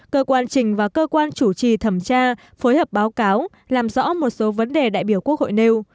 cơ quan trình và cơ quan chủ trì thẩm tra phối hợp báo cáo làm rõ một số vấn đề đại biểu quốc hội nêu